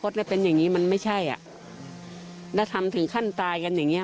จะเป็นอย่างนี้มันไม่ใช่และทำถึงขั้นตายกันอย่างนี้